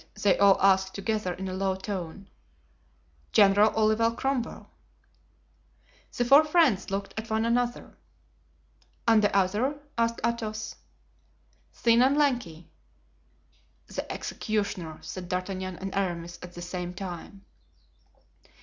they all asked together in a low tone. "General Oliver Cromwell." The four friends looked at one another. "And the other?" asked Athos. "Thin and lanky." "The executioner," said D'Artagnan and Aramis at the same time.